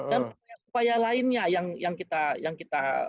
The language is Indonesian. dan upaya lainnya yang kita